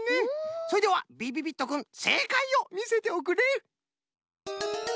それではびびびっとくんせいかいをみせておくれ！